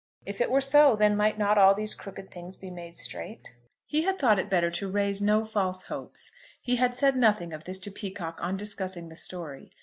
If it were so, then might not all these crooked things be made straight? He had thought it better to raise no false hopes. He had said nothing of this to Peacocke on discussing the story.